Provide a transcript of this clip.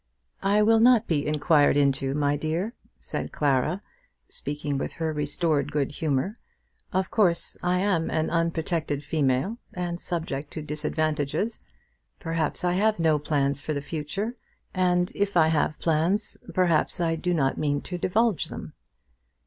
"I will not be inquired into, my dear," said Clara, speaking with restored good humour. "Of course I am an unprotected female, and subject to disadvantages. Perhaps I have no plans for the future; and if I have plans, perhaps I do not mean to divulge them."